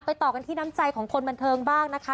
ต่อกันที่น้ำใจของคนบันเทิงบ้างนะคะ